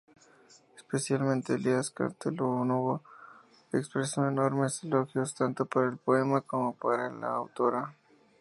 Especialmente Elías Castelnuovo expresó enormes elogios, tanto para el poema, como para la autora.